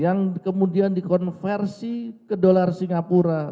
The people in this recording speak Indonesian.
yang kemudian dikonversi ke dolar singapura